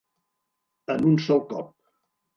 En un sol cop.